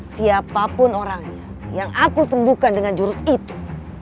siapapun orangnya yang aku sembuhkan dengan jurus itu